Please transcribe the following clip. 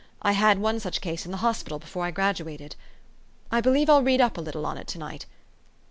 I had one such case in the hospital before I graduated. I believe I'll read up a little on it to night.